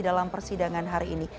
dalam persidangan hari ini